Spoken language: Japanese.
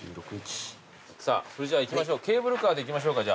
さぁそれじゃあ行きましょうケーブルカーで行きましょうか。